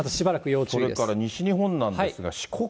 それから西日本なんですが、四国。